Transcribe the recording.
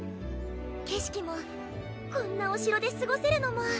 景色もこんなお城で過ごせるのも。